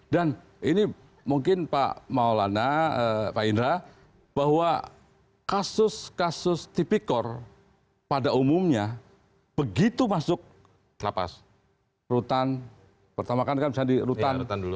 dan ini mungkin pak maulana pak indra bahwa kasus kasus tipikor pada umumnya begitu masuk lapas rutan pertama kan kan bisa di rutan